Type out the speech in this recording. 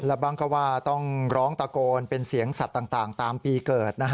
แล้วบ้างก็ว่าต้องร้องตะโกนเป็นเสียงสัตว์ต่างตามปีเกิด